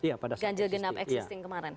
iya pada saat existing ganjil gendap existing kemarin